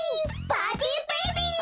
パーティーベイビーズ！